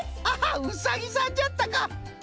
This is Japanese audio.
ハハッうさぎさんじゃったか！